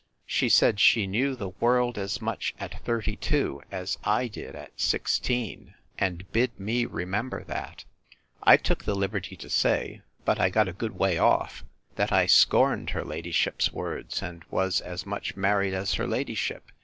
She said, She knew the world as much at thirty two, as I did at sixteen; and bid me remember that. I took the liberty to say, (but I got a good way off,) that I scorned her ladyship's words, and was as much married as her ladyship.